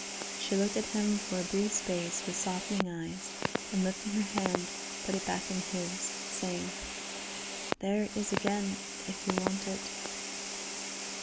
She looked at him for a brief space with softening eyes, and, lifting her hand, put it back in his, saying: "There it is again if you want it."